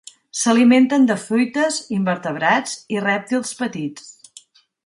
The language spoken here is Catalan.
S'alimenten de fruites, invertebrats i rèptils petits.